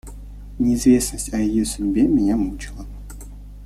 Неизвестность о ее судьбе меня мучила.